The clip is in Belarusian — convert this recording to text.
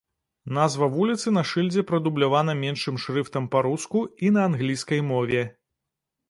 Назва вуліцы на шыльдзе прадублявана меншым шрыфтам па-руску і на англійскай мове.